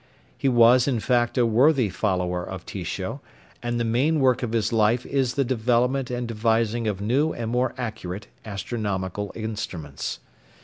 He was, in fact, a worthy follower of Tycho, and the main work of his life is the development and devising of new and more accurate astronomical instruments.